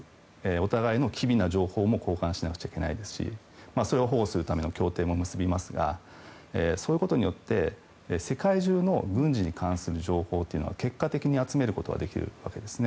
お互いの機微な情報も交換しなくちゃいけないですしそれを保護するための協定も結びますがそういうことによって世界中の軍事に関する情報を結果的に集めることはできるわけですね。